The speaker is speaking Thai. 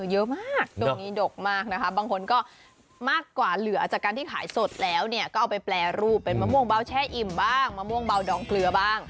เยอะมากช่วงนี้ดกมากนะคะบางคนก็มากกว่าเหลือจากการที่ขายสดแล้วเนี่ยก็เอาไปแปรรูปเป็นมะม่วงเบาแช่อิ่มบ้างมะม่วงเบาดองเกลือบ้าง